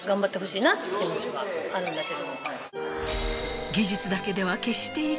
って気持ちはあるんだけど。